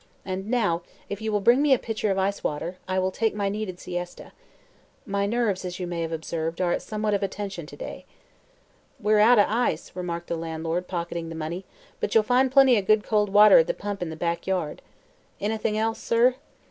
And now, if you will bring me a pitcher of ice water, I will take my needed siesta. My nerves, as you may have observed, are at somewhat of a tension to day." "We're out o' ice," remarked the landlord, pocketing the money, "but ye'll find plenty of good cold water at the pump in the back yard. Anything else, sir?"